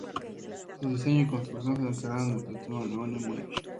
Su diseño y construcción se encargaron a una artesanía alemana de Múnich.